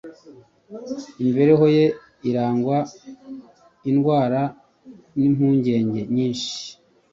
imibereho ye irangwa indwara n'impungenge nyinshi